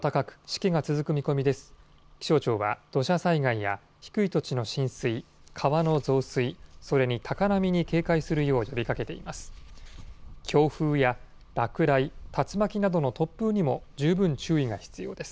気象庁は土砂災害や低い土地の浸水、川の増水それに高波に警戒するよう呼びかけています。